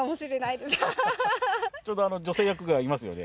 ちょうど女性役がいますよね。